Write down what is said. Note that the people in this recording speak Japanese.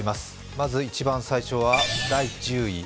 まず一番最初は第１０位。